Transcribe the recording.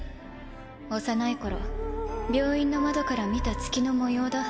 幼い頃病院の窓から見た月の模様だ。